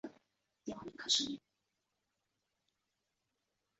主要分布在北美洲以及中国长江流域和江南地区。